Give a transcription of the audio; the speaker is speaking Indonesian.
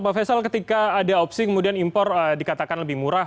pak faisal ketika ada opsi kemudian impor dikatakan lebih murah